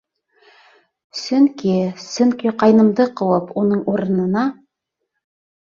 Сөнки... сөнки ҡайнымды ҡыуып, уның урынына...